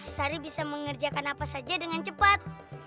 sari bisa mengerjakan apa saja dengan cepat